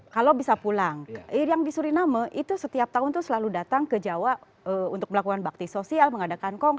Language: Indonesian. kalau bisa pulang yang di suriname itu setiap tahun itu selalu datang ke jawa untuk melakukan bakti sosial mengadakan kong